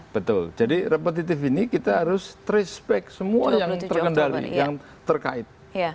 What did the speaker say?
betul jadi repetitif ini kita harus respect semua yang terkendali yang terkait